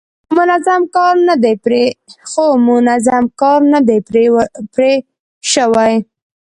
خو منظم کار نه دی پرې شوی.